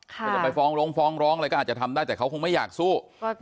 เขาจะไปฟ้องร้องฟ้องร้องอะไรก็อาจจะทำได้แต่เขาคงไม่อยากสู้